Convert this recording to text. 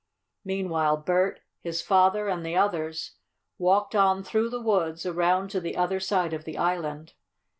Meanwhile Bert, his father and the others walked on through the woods, around to the other side of the island.